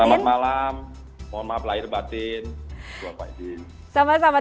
selamat malam mohon maaf lahir batin